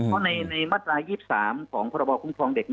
เพราะในมาตรา๒๓ของพรบคุ้มครองเด็ก